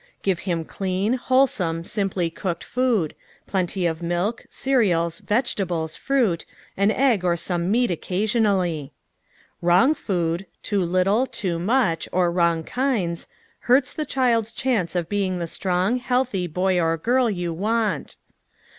Give him clean, wholesome, simply cooked food ŌĆö plenty of milk, cereals, vegetables, fruit, an egg or some meat occa sionally. Wrong food ŌĆö too little, too much, or wrong kinds ŌĆö hurts the child's chance of being the strong, healthy boy or girl you want.